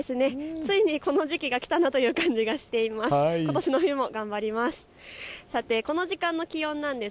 ついにこの時期が来たなという感じがしています。